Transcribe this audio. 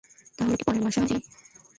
তাহলে কি পরের মাসে হবে গুরুজি?